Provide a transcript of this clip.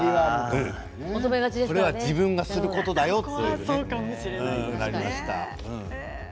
それは自分がすることだよって。